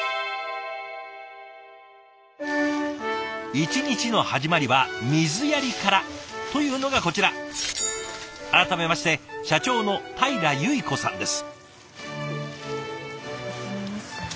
一日の始まりは水やりからというのがこちら改めまして社長のたいら由以子さんです。